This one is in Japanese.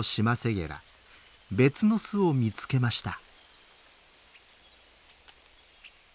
別の巣を見つけました。